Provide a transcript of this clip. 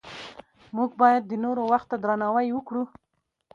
موږ باید د نورو وخت ته درناوی وکړو